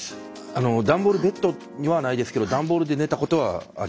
段ボールベッドにはないですけど段ボールで寝たことはあります。